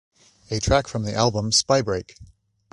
A track from the album, Spybreak!